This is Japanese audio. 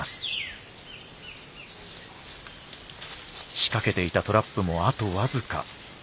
仕掛けていたトラップもあと僅か。